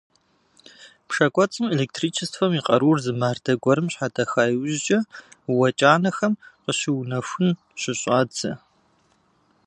Пшэ кӏуэцӏым электричествэм и къарур зы мардэ гуэрым щхьэдэха иужькӏэ, уэ кӏанэхэм къыщыунэхун щыщӏадзэ.